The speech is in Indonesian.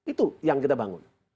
itu yang kita bangun